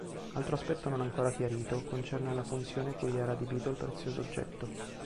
Altro aspetto non ancora chiarito concerne la funzione cui era adibito il prezioso oggetto.